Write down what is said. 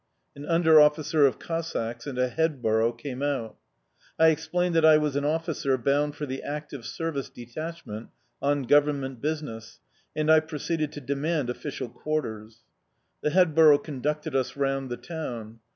An under officer of Cossacks and a headborough came out. I explained that I was an officer bound for the active service detachment on Government business, and I proceeded to demand official quarters. The headborough conducted us round the town.